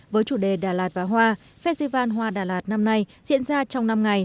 với chủ đề đà lạt và hoa festival hoa đà lạt năm nay diễn ra trong năm ngày